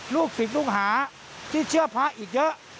ลูกศิษย์ลูกหาที่เชื่อพระอีกเยอะ